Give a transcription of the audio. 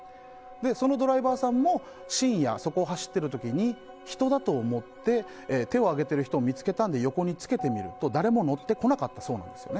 そのドライバーさんも深夜、そこを走ってる時に人だと思って手を上げている人を見つけたんで横につけてみると、誰も乗ってこなかったそうなんです。